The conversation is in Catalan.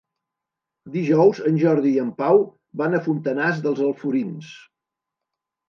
Dijous en Jordi i en Pau van a Fontanars dels Alforins.